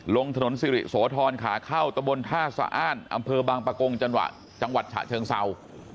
ลงถนนสิริโสธรขาเข้าตะบนท่าสะอ้านอำเภอบางปะกงจังหวัดฉะเชิงเศร้า